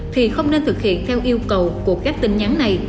thì không nên thực hiện theo yêu cầu của các tin nhắn này